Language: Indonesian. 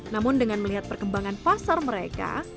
namun dengan melihat perkembangan pasar mereka